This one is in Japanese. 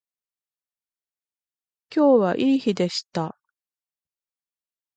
今日はいい日でした